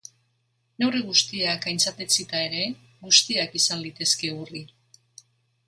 Neurri guztiak aintzatetsita ere, guztiak izan litezke urri.